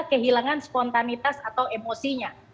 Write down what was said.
kehilangan spontanitas atau emosinya